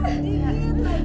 terima kasih tuhan